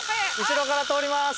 後ろから通ります。